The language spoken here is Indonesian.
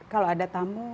kalau ada tamu